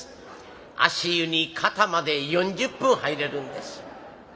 足湯に肩まで４０分入れるんです。